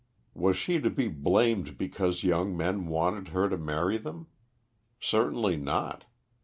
Was she to be blamed because young men wanted her to marry them? Certainly not.